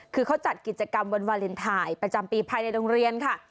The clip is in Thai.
คือเขาจัดกิจกรรมวันวาเลนไทยประจำปีภายในโรงเรียนค่ะ